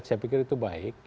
saya pikir itu baik